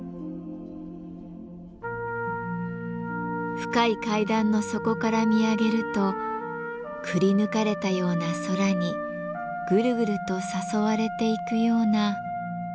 深い階段の底から見上げるとくり抜かれたような空にぐるぐると誘われていくような。